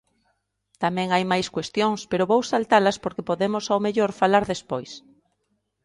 Tamén hai máis cuestións, pero vou saltalas porque podemos ao mellor falar despois.